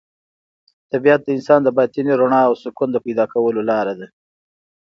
طبیعت د انسان د باطني رڼا او سکون د پیدا کولو لاره ده.